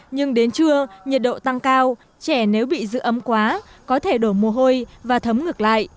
nhưng đến trưa nhiệt độ tăng cao trẻ nếu bị giữ ấm quá có thể đổ mồ hôi và thấm ngược lại